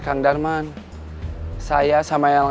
kang bahar mau pensiun